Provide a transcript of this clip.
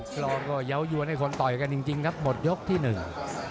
เราก็เยาวยวนให้คนต่อยกันจริงจริงครับหมดยกที่หนึ่ง